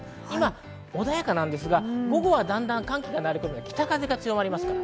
今は穏やかですが午後はだんだん寒気が流れ込んできて、北風が強まります。